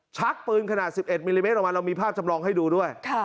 ชักปืนขนาด๑๑มิลลิเมตรออกมาเรามีภาพจำลองให้ดูด้วย